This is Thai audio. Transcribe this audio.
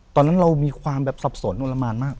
ตอนนั้นเรามีความแบบสับสนอนละมานมาก